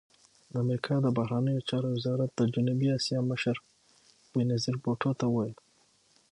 د امریکا د بهرنیو چارو وزارت د جنوبي اسیا مشر بېنظیر بوټو ته وویل